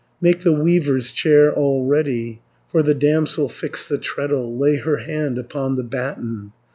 Make the weaver's chair all ready, For the damsel fix the treadle, Lay her hand upon the batten.